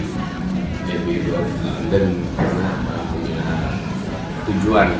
ingin membawa riff untuk merekam album di ab dua puluh satu dan punya tujuan